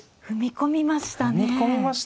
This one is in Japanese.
踏み込みましたね。